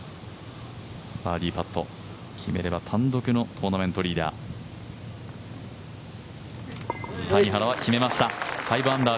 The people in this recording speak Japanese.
バーディーパット、決めれば単独のトーナメントリーダー。